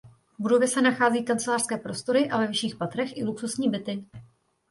V budově se nachází kancelářské prostory a ve vyšších patrech i luxusní byty.